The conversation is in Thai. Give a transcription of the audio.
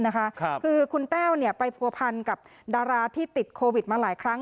คือคุณแต้วไปผัวพันกับดาราที่ติดโควิดมาหลายครั้ง